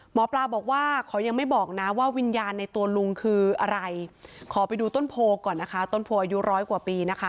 หมอปลาบอกว่าเขายังไม่บอกนะว่าวิญญาณในตัวลุงคืออะไรขอไปดูต้นโพก่อนนะคะต้นโพอายุร้อยกว่าปีนะคะ